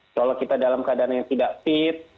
kalau kita dalam keadaan yang tidak fit